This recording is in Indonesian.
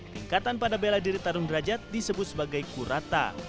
tingkatan pada bela diri tarung derajat disebut sebagai kurata